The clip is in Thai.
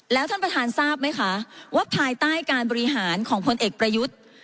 แล้วท่านประธานทราบไหมคะว่าภายใต้การบริหารของพลเอกประยุทธ์